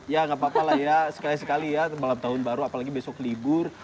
ya nggak apa apa lah ya sekali sekali ya malam tahun baru apalagi besok libur